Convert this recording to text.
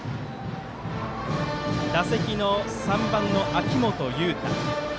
打席の３番の秋元悠汰。